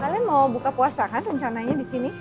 kalian mau buka puasa kan rencananya di sini